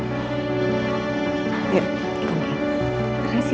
kalo papa udah sampe rumah